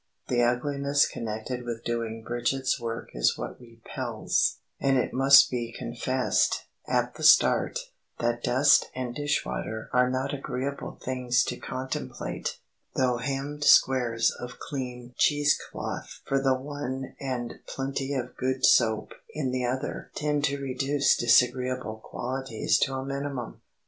The ugliness connected with doing Bridget's work is what repels, and it must be confessed, at the start, that dust and dish water are not agreeable things to contemplate, though hemmed squares of clean cheese cloth for the one and plenty of good soap in the other tend to reduce disagreeable qualities to a minimum.